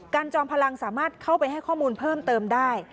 จอมพลังสามารถเข้าไปให้ข้อมูลเพิ่มเติมได้